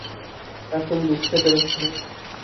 এখন বুঝতে পেরেছ?